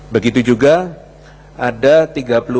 begitu juga ada tiga puluh empat kabupaten kota dengan risiko sedang